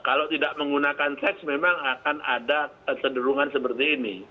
kalau tidak menggunakan seks memang akan ada kecenderungan seperti ini